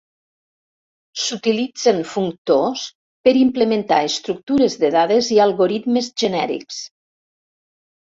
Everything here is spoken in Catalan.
S'utilitzen functors per implementar estructures de dades i algoritmes genèrics.